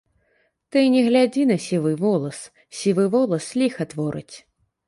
Ты не глядзі на сівы волас, сівы волас ліха творыць.